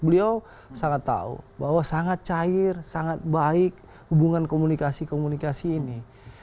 beliau sangat tahu bahwa sangat cair sangat baik hubungan komunikasi komunikasi ini